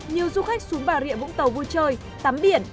nhiều du khách xuống bà rịa vũng tàu vui chơi tắm biển